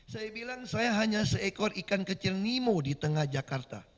saya bilang saya hanya seekor ikan kecil nemo di tengah jakarta